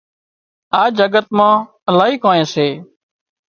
آ جگت مان الاهي ڪانئين سي